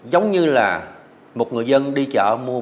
giống như là một người dân đi chợ